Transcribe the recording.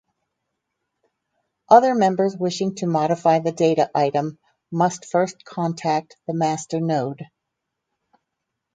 Other members wishing to modify the data item must first contact the master node.